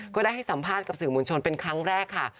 ก็ได้ให้สัมภาษณ์กับสื่อมวลชนเป็นครั้งแรกค่ะ